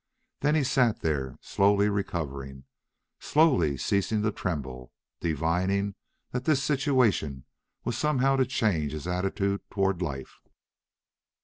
Then he sat there, slowly recovering, slowly ceasing to tremble, divining that this situation was somehow to change his attitude toward life.